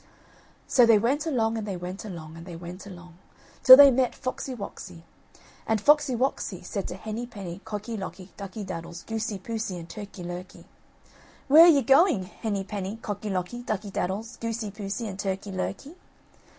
So they went along, and they went along, and they went along, till they met Foxy woxy, and Foxy woxy said to Henny penny, Cocky locky, Ducky daddles, Goosey poosey and Turkey lurkey: "Where are you going, Henny penny, Cocky locky, Ducky daddles, Goosey poosey, and Turkey lurkey?"